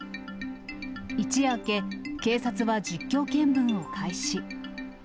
一夜明け、警察は実況見分を開始。